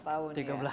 tiga belas tahun ya